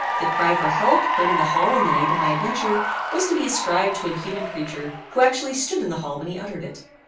The cry for help, heard in the hall on the night of my adventure, was to be ascribed to an human creature, who actually stood in the hall when he uttered it.